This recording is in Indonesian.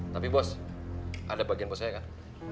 tapi bos ada bagian bosnya ya kan